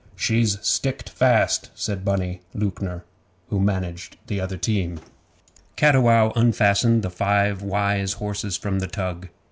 'She's sticked fast,' said 'Bunny' Lewknor, who managed the other team. Cattiwow unfastened the five wise horses from the tug.